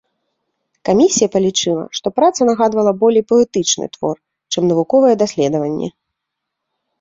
Камісія палічыла, што праца нагадвала болей паэтычны твор чым навуковае даследаванне.